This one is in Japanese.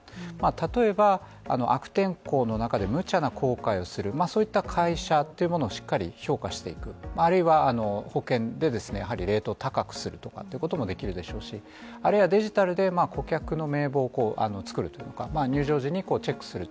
例えば悪天候の中で無茶な航海をするそういった会社っていうものをしっかり評価していく、あるいは保険で高くするとかっていうこともできるでしょうしあるいはデジタルで顧客の名簿を作るというのか入場時にチェックする。